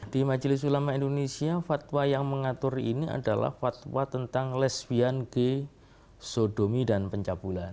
di majelis ulama indonesia fatwa yang mengatur ini adalah fatwa tentang lesbian g sodomi dan pencabulan